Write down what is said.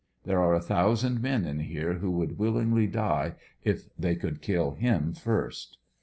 There are a thousand men inhere who would willingly die if they could kill him first.